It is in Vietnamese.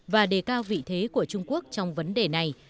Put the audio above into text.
và đề cao vị thế của trung quốc trong vấn đề này